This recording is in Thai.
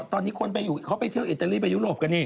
ตอนนี้คนเขาไปเที่ยวอิตาลีไปยุโรปกันนี่